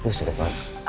aduh sakit banget